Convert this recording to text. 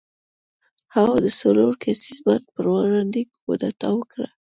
هوا د څلور کسیز بانډ پر وړاندې کودتا وکړه.